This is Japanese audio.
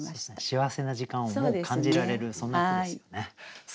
幸せな時間をも感じられるそんな句ですよね。